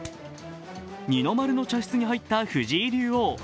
二の丸の茶室に入った藤井竜王。